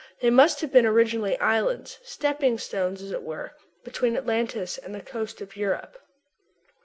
They must have been originally islands; stepping stones, as it were, between Atlantis and the coast of Europe.